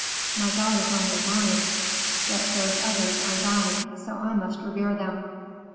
"My God is only mine, but those others are thine; so I must revere them."